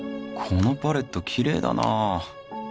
このパレットきれいだなぁ